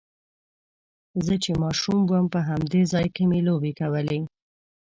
زه چې ماشوم وم په همدې ځای کې مې لوبې کولې.